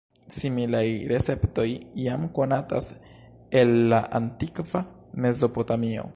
Similaj receptoj jam konatas el la antikva Mezopotamio.